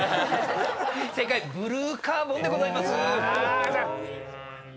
正解「ブルーカーボン」でございます。